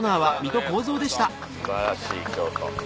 素晴らしい京都。